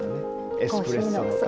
エスプレッソの香り。